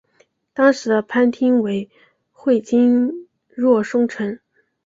当时的藩厅为会津若松城。